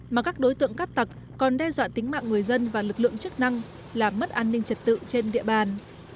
mà các đối tượng cát tặc còn đe dọa tính mạng người dân và lực lượng chức năng làm mất an ninh trật tự trên địa bàn